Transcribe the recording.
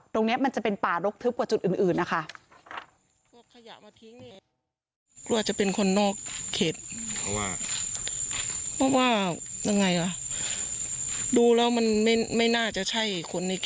มันจะเป็นป่ารกทึบกว่าจุดอื่นนะคะ